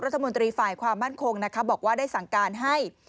รัฐมนตรีฝ่ายความมั่นคงนะคะบอกว่าได้สั่งการให้